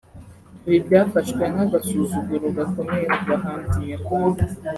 Ibi byafashwe nk'agasuzuguro gakomeye ku bahanzi nyarwanda